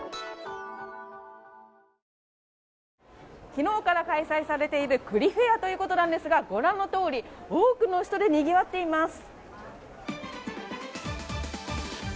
昨日から開催されている栗フェアということなんですが、ご覧のとおり、多くの人でにぎわっています。